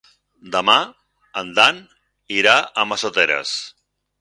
Demà en Dan irà a Massoteres.